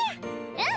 うん！